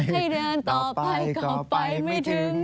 ให้เดินต่อไปก็ไปไม่ถึง